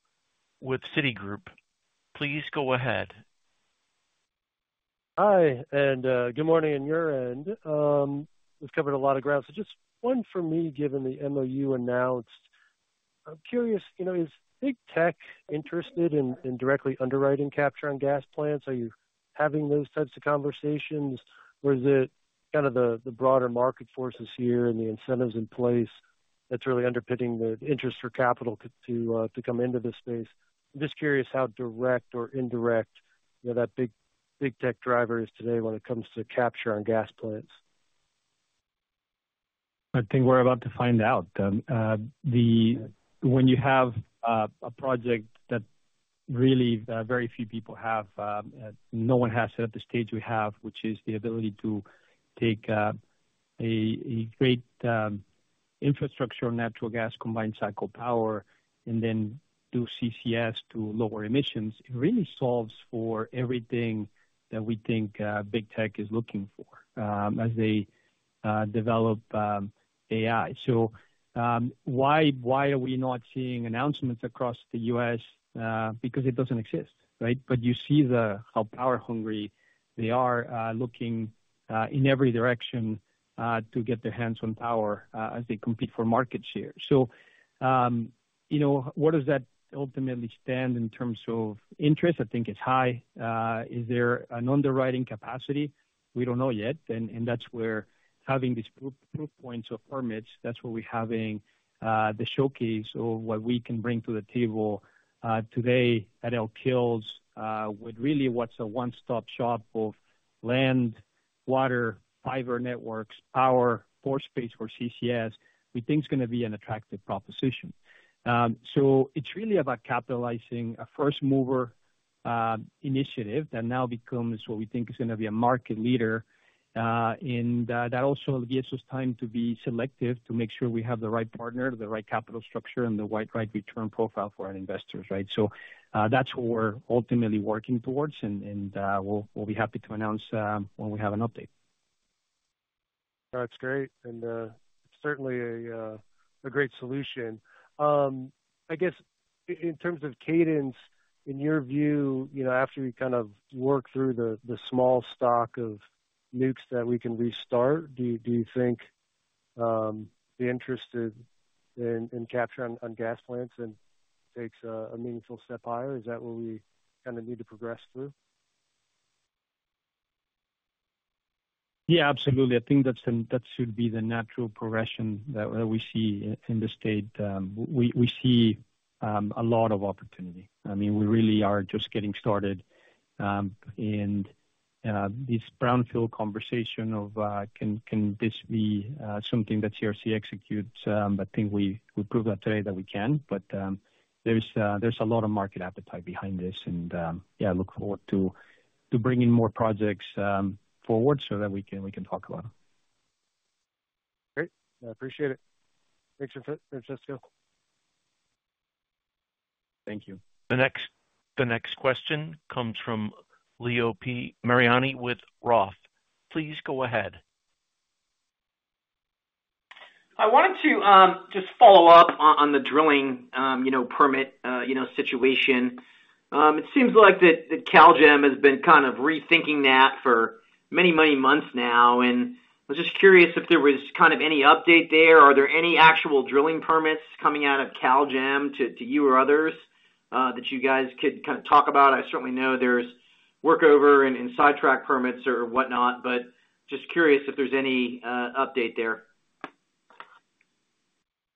with Citi. Please go ahead. Hi, and good morning on your end. We've covered a lot of ground. So just one for me given the MOU announced. I'm curious, is big tech interested in directly underwriting capture on gas plants? Are you having those types of conversations, or is it kind of the broader market forces here and the incentives in place that's really underpinning the interest for capital to come into this space? I'm just curious how direct or indirect that big tech driver is today when it comes to capture on gas plants. I think we're about to find out. When you have a project that really very few people have, no one has it at the stage we have, which is the ability to take a great infrastructure on natural gas combined cycle power and then do CCS to lower emissions, it really solves for everything that we think big tech is looking for as they develop AI. So why are we not seeing announcements across the U.S.? Because it doesn't exist, right? But you see how power-hungry they are looking in every direction to get their hands on power as they compete for market share. So what does that ultimately stand in terms of interest? I think it's high. Is there an underwriting capacity? We don't know yet. And that's where having these proof points of permits. That's where we're having the showcase of what we can bring to the table today at Elk Hills with really what's a one-stop shop of land, water, fiber networks, power, floor space for CCS. We think it's going to be an attractive proposition. So it's really about capitalizing a first-mover initiative that now becomes what we think is going to be a market leader. And that also gives us time to be selective to make sure we have the right partner, the right capital structure, and the right return profile for our investors, right? So that's what we're ultimately working towards, and we'll be happy to announce when we have an update. That's great. And it's certainly a great solution. I guess in terms of cadence, in your view, after we kind of work through the small stock of nukes that we can restart, do you think the interest in carbon capture on gas plants takes a meaningful step higher? Is that what we kind of need to progress through? Yeah, absolutely. I think that should be the natural progression that we see in the state. We see a lot of opportunity. I mean, we really are just getting started. And this brownfield conversation of can this be something that CRC executes? I think we proved that today that we can. But there's a lot of market appetite behind this. And yeah, I look forward to bringing more projects forward so that we can talk about them. Great. I appreciate it. Thanks, Francisco. Thank you. The next question comes from Leo P. Mariani with ROTH. Please go ahead. I wanted to just follow up on the drilling permit situation. It seems like that CalGEM has been kind of rethinking that for many, many months now, and I was just curious if there was kind of any update there. Are there any actual drilling permits coming out of CalGEM to you or others that you guys could kind of talk about? I certainly know there's workover and sidetrack permits or whatnot, but just curious if there's any update there.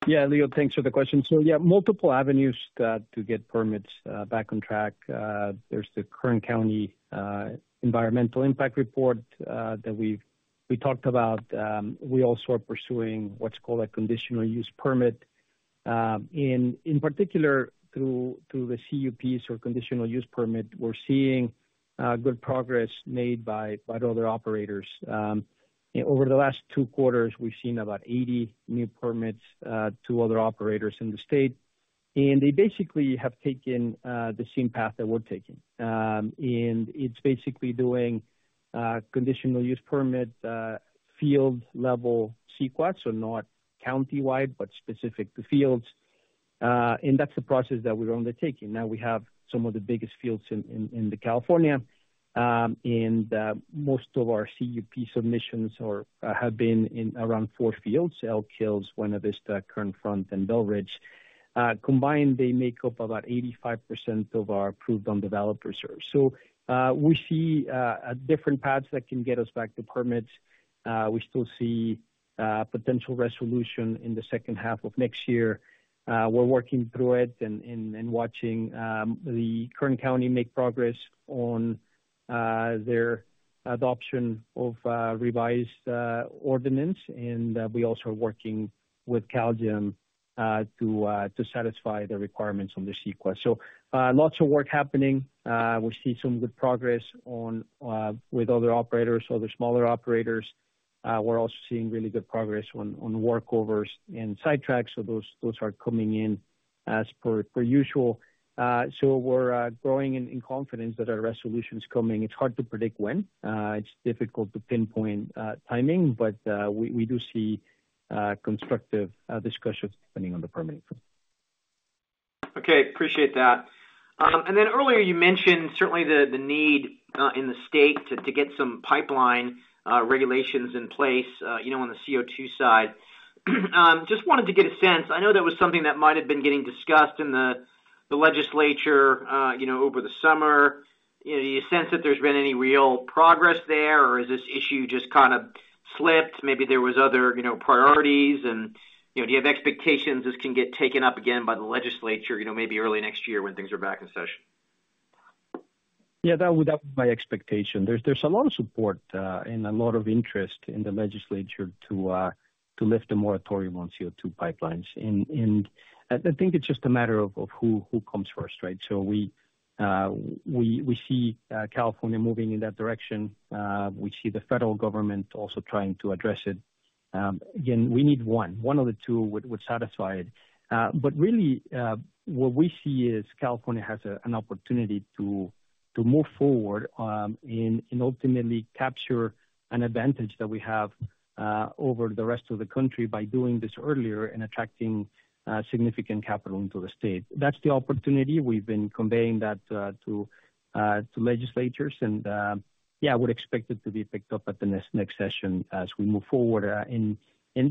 Yeah, Leo, thanks for the question. So yeah, multiple avenues to get permits back on track. There's the Kern County Environmental Impact Report that we talked about. We also are pursuing what's called a conditional use permit. And in particular, through the CUPs or conditional use permit, we're seeing good progress made by other operators. Over the last two quarters, we've seen about 80 new permits to other operators in the state. And they basically have taken the same path that we're taking. And it's basically doing conditional use permit field-level CEQAs, so not county-wide, but specific to fields. And that's the process that we're undertaking. Now we have some of the biggest fields in California. And most of our CUP submissions have been in around four fields: Elk Hills, Buena Vista, Kern Front, and Belridge. Combined, they make up about 85% of our approved undeveloped reserves. So we see different paths that can get us back to permits. We still see potential resolution in the second half of next year. We're working through it and watching the Kern County make progress on their adoption of revised ordinance. And we also are working with CalGEM to satisfy the requirements on the CEQA. So lots of work happening. We see some good progress with other operators, other smaller operators. We're also seeing really good progress on workovers and sidetracks. So those are coming in as per usual. So we're growing in confidence that our resolution is coming. It's hard to predict when. It's difficult to pinpoint timing, but we do see constructive discussions depending on the permitting front. Okay. Appreciate that. And then earlier, you mentioned certainly the need in the state to get some pipeline regulations in place on the CO2 side. Just wanted to get a sense. I know that was something that might have been getting discussed in the legislature over the summer. Do you sense that there's been any real progress there, or is this issue just kind of slipped? Maybe there were other priorities. And do you have expectations this can get taken up again by the legislature maybe early next year when things are back in session? Yeah, that would be my expectation. There's a lot of support and a lot of interest in the legislature to lift the moratorium on CO2 pipelines. And I think it's just a matter of who comes first, right? So we see California moving in that direction. We see the federal government also trying to address it. Again, we need one. One of the two would satisfy it. But really, what we see is California has an opportunity to move forward and ultimately capture an advantage that we have over the rest of the country by doing this earlier and attracting significant capital into the state. That's the opportunity. We've been conveying that to legislators. And yeah, we're expected to be picked up at the next session as we move forward.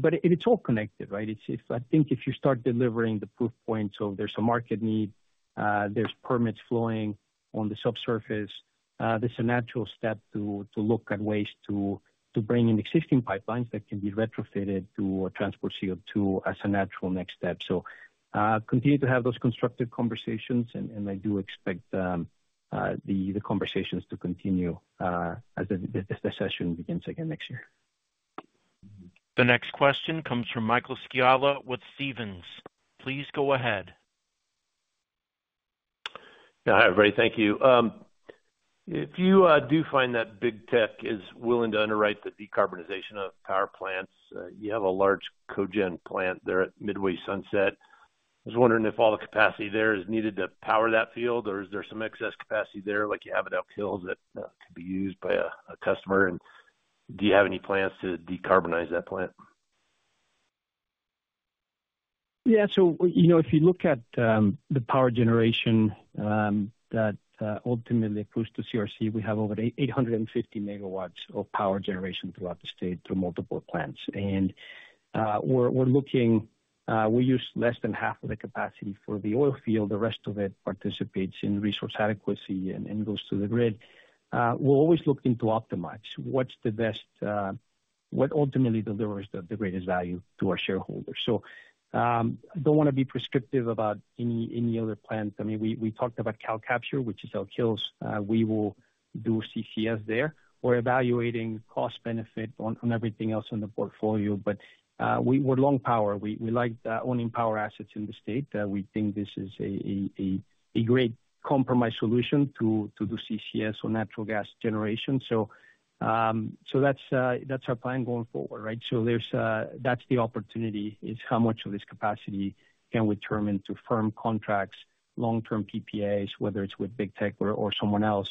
But it's all connected, right? I think if you start delivering the proof points of there's a market need, there's permits flowing on the subsurface, there's a natural step to look at ways to bring in existing pipelines that can be retrofitted to transport CO2 as a natural next step, so continue to have those constructive conversations, and I do expect the conversations to continue as the session begins again next year. The next question comes from Michael Scialla with Stephens. Please go ahead. Hi, everybody. Thank you. If you do find that big tech is willing to underwrite the decarbonization of power plants, you have a large cogen plant there at Midway-Sunset. I was wondering if all the capacity there is needed to power that field, or is there some excess capacity there like you have at Elk Hills that could be used by a customer? And do you have any plans to decarbonize that plant? Yeah. So if you look at the power generation that ultimately accrues to CRC, we have over 850 MW of power generation throughout the state through multiple plants. And we're looking. We use less than half of the capacity for the oil field. The rest of it participates in Resource Adequacy and goes to the grid. We're always looking to optimize what ultimately delivers the greatest value to our shareholders. So I don't want to be prescriptive about any other plant. I mean, we talked about CalCapture, which is Elk Hills. We will do CCS there. We're evaluating cost-benefit on everything else in the portfolio, but we're long power. We like owning power assets in the state. We think this is a great compromise solution to do CCS on natural gas generation. So that's our plan going forward, right? So that's the opportunity: how much of this capacity can we turn into firm contracts, long-term PPAs, whether it's with big tech or someone else?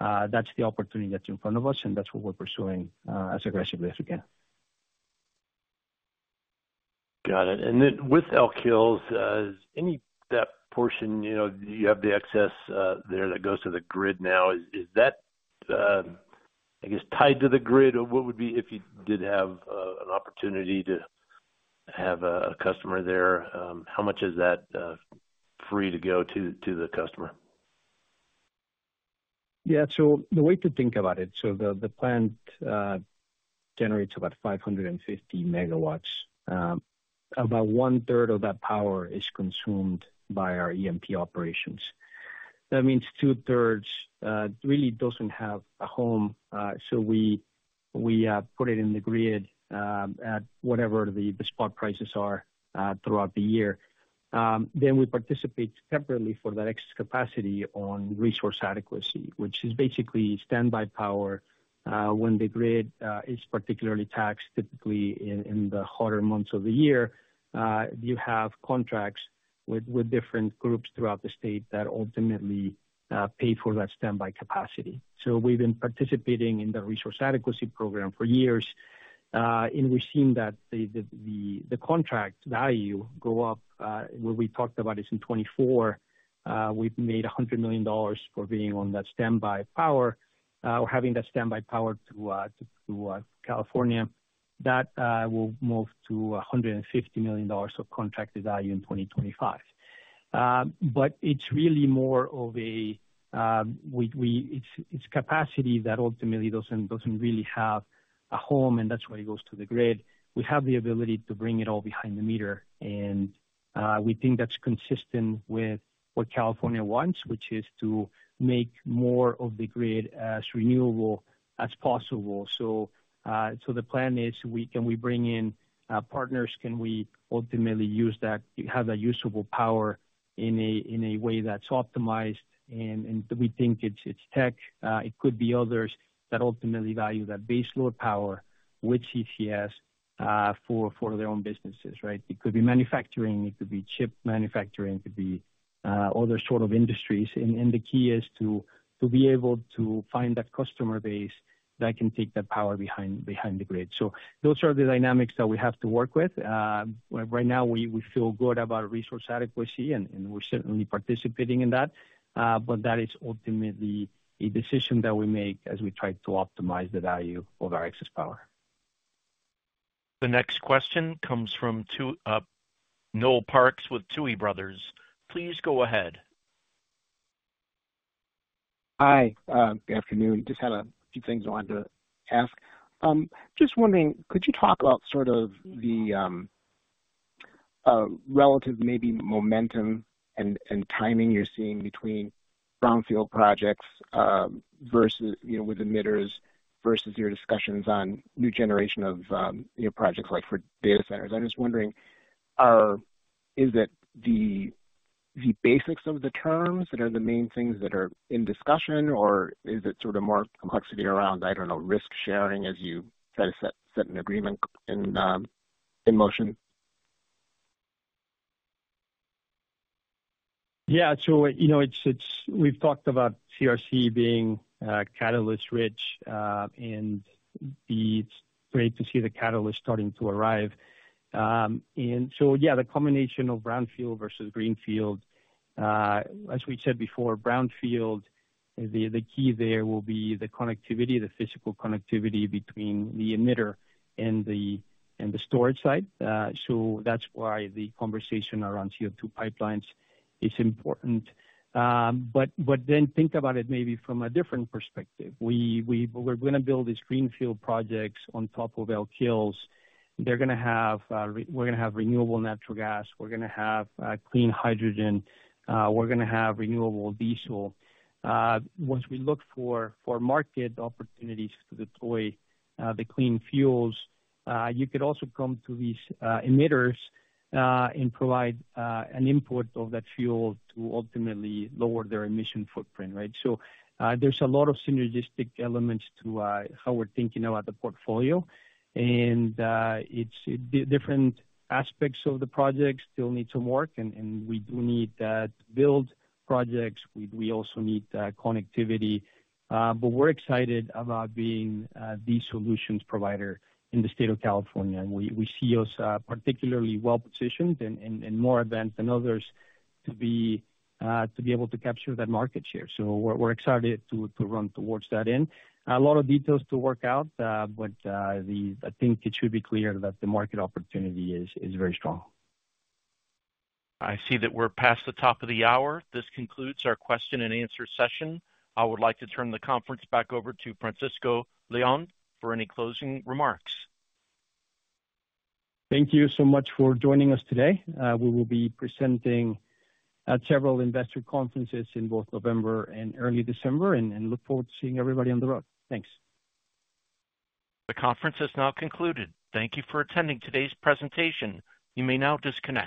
That's the opportunity that's in front of us, and that's what we're pursuing as aggressively as we can. Got it. And then with Elk Hills, any of that portion, you have the excess there that goes to the grid now. Is that, I guess, tied to the grid? What would be if you did have an opportunity to have a customer there? How much is that free to go to the customer? Yeah. So the way to think about it, so the plant generates about 550 MW. About 1/3 of that power is consumed by our E&P operations. That means 2/3 really doesn't have a home. So we put it in the grid at whatever the spot prices are throughout the year. Then we participate separately for that extra capacity on Resource Adequacy, which is basically standby power. When the grid is particularly taxed, typically in the hotter months of the year, you have contracts with different groups throughout the state that ultimately pay for that standby capacity. So we've been participating in the Resource Adequacy program for years. And we've seen that the contract value go up. What we talked about is in 2024, we've made $100 million for being on that standby power or having that standby power to California. That will move to $150 million of contracted value in 2025. But it's really more of a capacity that ultimately doesn't really have a home, and that's why it goes to the grid. We have the ability to bring it all behind the meter. We think that's consistent with what California wants, which is to make more of the grid as renewable as possible. The plan is, can we bring in partners? Can we ultimately have that usable power in a way that's optimized? We think it's tech. It could be others that ultimately value that baseload power with CCS for their own businesses, right? It could be manufacturing. It could be chip manufacturing. It could be other sort of industries. The key is to be able to find that customer base that can take that power behind the grid. So those are the dynamics that we have to work with. Right now, we feel good about Resource Adequacy, and we're certainly participating in that. But that is ultimately a decision that we make as we try to optimize the value of our excess power. The next question comes from Noel Parks with Tuohy Brothers. Please go ahead. Hi. Good afternoon. Just had a few things I wanted to ask. Just wondering, could you talk about sort of the relative maybe momentum and timing you're seeing between brownfield projects with emitters versus your discussions on greenfield projects like for data centers? I'm just wondering, is it the basics of the terms that are the main things that are in discussion, or is it sort of more complexity around, I don't know, risk sharing as you try to set an agreement in motion? Yeah. So we've talked about CRC being catalyst-rich, and it's great to see the catalyst starting to arrive. And so yeah, the combination of brownfield versus greenfield. As we said before, brownfield, the key there will be the connectivity, the physical connectivity between the emitter and the storage site. So that's why the conversation around CO2 pipelines is important. But then think about it maybe from a different perspective. We're going to build these greenfield projects on top of Elk Hills. We're going to have renewable natural gas. We're going to have clean hydrogen. We're going to have renewable diesel. Once we look for market opportunities to deploy the clean fuels, you could also come to these emitters and provide an input of that fuel to ultimately lower their emission footprint, right? So there's a lot of synergistic elements to how we're thinking about the portfolio. Different aspects of the projects still need some work, and we do need to build projects. We also need connectivity, but we're excited about being the solutions provider in the state of California. We see us particularly well-positioned and more advanced than others to be able to capture that market share, so we're excited to run towards that end. A lot of details to work out, but I think it should be clear that the market opportunity is very strong. I see that we're past the top of the hour. This concludes our question-and-answer session. I would like to turn the conference back over to Francisco Leon for any closing remarks. Thank you so much for joining us today. We will be presenting at several investor conferences in both November and early December and look forward to seeing everybody on the road. Thanks. The conference has now concluded. Thank you for attending today's presentation. You may now disconnect.